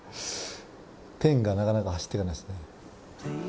ペンがなかなか走って行かないですね。